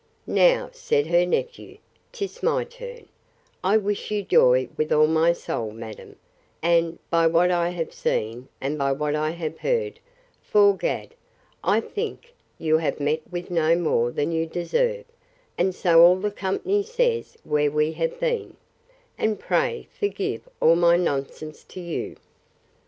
Now, said her nephew, 'tis my turn: I wish you joy with all my soul, madam; and, by what I have seen, and by what I have heard, 'fore Gad, I think you have met with no more than you deserve; and so all the company says, where we have been: And pray forgive all my nonsense to you.